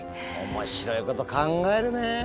面白いこと考えるね。